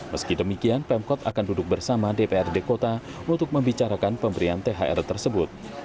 meski demikian pemkot akan duduk bersama dprd kota untuk membicarakan pemberian thr tersebut